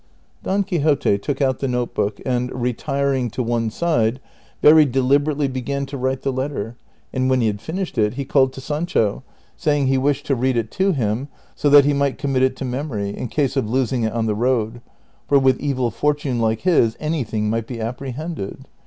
Don Quixote took out the note book, and, retiring to one side, very deliberately began to write the letter, and when he had finished it he called to Sancho, saying he wished to read it to him, so that he might commit it to memory, in case of losing it on the road ; for with evil fortune like his anything might be apprehended.